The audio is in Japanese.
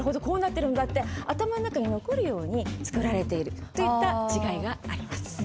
こうなってるんだ」って頭の中に残るように作られているといった違いがあります。